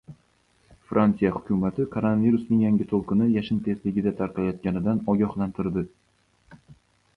Fransiya hukumati koronavirusning yangi to‘lqini “yashin tezligida” tarqalayotganidan ogohlantirdi